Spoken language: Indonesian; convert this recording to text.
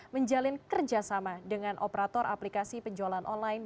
menjalin kerjasama dengan operator aplikasi penjualan online